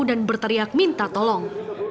dan berteriak minta tolong